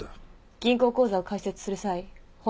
銀行口座を開設する際本人確認